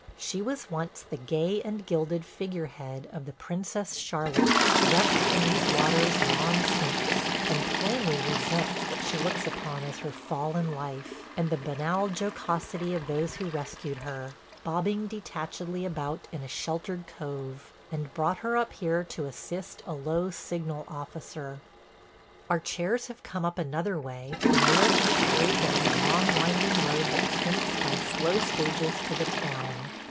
She was once the gay and gilded figure head of the Princess Charlotte, wrecked in these waters long since, and plainly resents what she looks upon as her fall in life, and the banal jocosity of those who rescued her – bobbing detachedly about in a sheltered cove – and brought her up here to assist a low signal officer! ... Our chairs have come up another way, and we are to be carried down the long winding road that sinks by slow stages to the town.